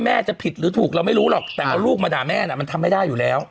จะผิดหรือถูกเราไม่รู้หรอกแต่เอาลูกมาด่าแม่น่ะมันทำไม่ได้อยู่แล้ว